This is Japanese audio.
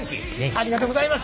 ありがとうございます。